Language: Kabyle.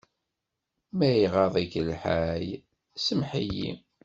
Ma iɣaḍ-ik lḥal, semmeḥ-iyi.